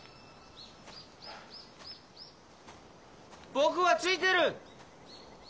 ・僕はついてる！